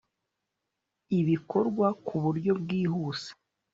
ibikorwa ku buryo bwihuse